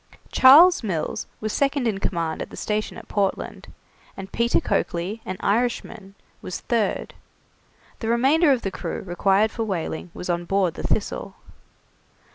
Charles Mills was second in command at the station at Portland, and Peter Coakley, an Irishman, was third; the remainder of the crew required for whaling was on board the 'Thistle'.